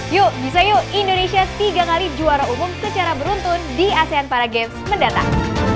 yuk bisa yuk indonesia tiga kali juara umum secara beruntun di asean para games mendatang